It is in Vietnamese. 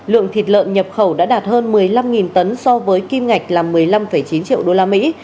lượng thịt lợn nhập khẩu đã đạt hơn một mươi năm tấn so với kim ngạch là một mươi năm chín triệu đô la mỹ